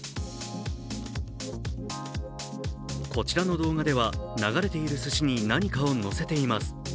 こちらの動画では流れているすしに、何かをのせています。